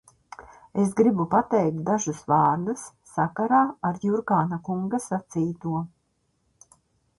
Es gribu pateikt dažus vārdus sakarā ar Jurkāna kunga sacīto.